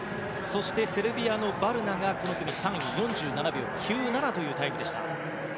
そして、セルビアのバルナがこの組３位で４７秒９７というタイムでした。